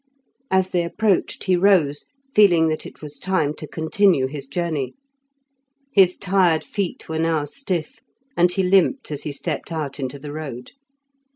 As they approached he rose, feeling that it was time to continue his journey. His tired feet were now stiff, and he limped as he stepped out into the road.